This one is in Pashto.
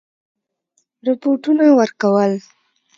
رپوټونه ورکول.